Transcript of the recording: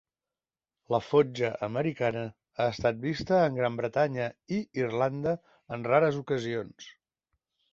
La fotja americana ha estat vista en Gran Bretanya i Irlanda en rares ocasions.